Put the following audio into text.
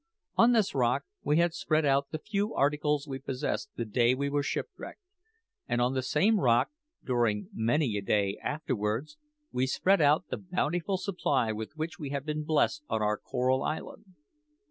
On this rock we had spread out the few articles we possessed the day we were shipwrecked; and on the same rock, during many a day afterwards, we spread out the bountiful supply with which we had been blessed on our Coral Island.